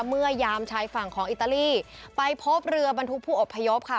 เมื่อยามชายฝั่งของอิตาลีไปพบเรือบรรทุกผู้อบพยพค่ะ